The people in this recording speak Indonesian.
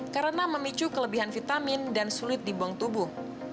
karena memicu kelebihan vitamin dan sulit dibuang tubuh